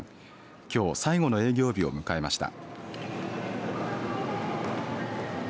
きょう最後の営業日を迎えました。